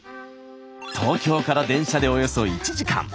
東京から電車でおよそ１時間。